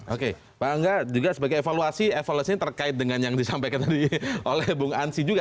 oke bang angga juga sebagai evaluasi evaluasi terkait dengan yang disampaikan tadi oleh bung ansi juga